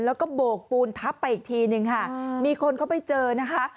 แล้วก็โบกปูนทับไปอีกทีนึงค่ะมีคนเขาไปเจอนะคะ